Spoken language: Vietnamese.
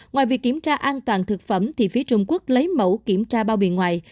ngoài việc kiểm tra an toàn thực phẩm thì phía trung quốc lấy mẫu kiểm tra bao bì ngoài